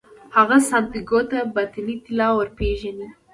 هغه سانتیاګو ته باطني طلا ورپېژني.